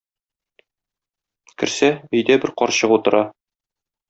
Керсә, өйдә бер карчык утыра.